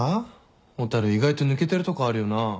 蛍意外と抜けてるとこあるよな。